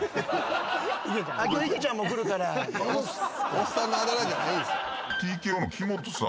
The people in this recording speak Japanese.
おっさんのあだ名じゃないんです。